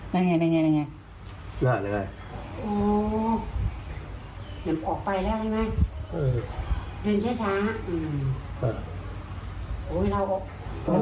นั่นไงนั่นควันขึ้นนั่นน่ะพัก